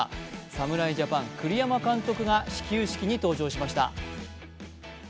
侍ジャパン、栗山監督が始球式に登場しました。